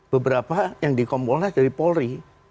beberapa yang di kompolnas dari polri